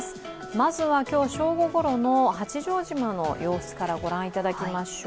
まずは今日正午ごろの八丈島の様子から御覧いただきましょう。